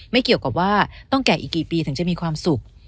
ไม่เกี่ยวกับว่าต้องแก่อีกกี่ปีถึงจะมีความสุข